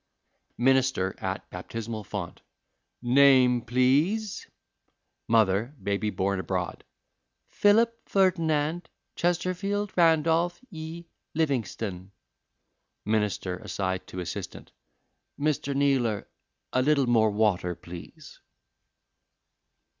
Minister (at baptismal font): "Name, please?" Mother (baby born abroad): "Philip Ferdinand Chesterfield Randolph y Livingstone." Minister (aside to assistant): "Mr. Kneeler, a little more water, please."